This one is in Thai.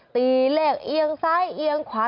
ตีเลขเอียงซ้ายเอียงขวา